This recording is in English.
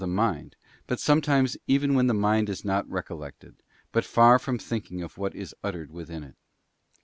the mind, but sometimes even when the mind is not recol lected, but far from thinking of what is uttered within it.